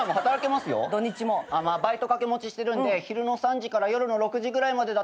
まあバイト掛け持ちしてるんで昼の３時から夜の６時ぐらいまでだったら働けますね。